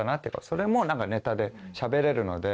それもなんかネタでしゃべれるので。